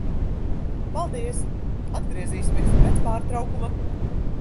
Paldies. Atgriezīsimies pēc pārtraukuma.